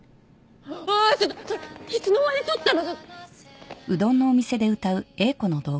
ああっちょっとそれいつの間に撮ったの！？